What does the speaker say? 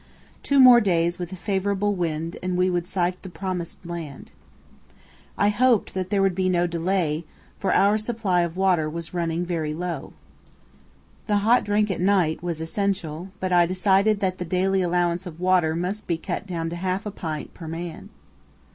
Two more days with a favourable wind and we would sight the promised land. I hoped that there would be no delay, for our supply of water was running very low. The hot drink at night was essential, but I decided that the daily allowance of water must be cut down to half a pint per man.